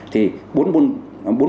thì bốn môn